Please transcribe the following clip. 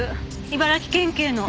茨城県警の。